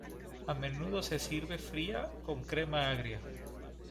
A menudo se sirve fría con crema agria.